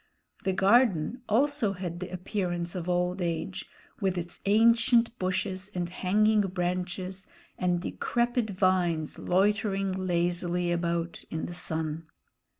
The garden also had the appearance of old age, with its ancient bushes and hanging branches and decrepit vines loitering lazily about in the sun.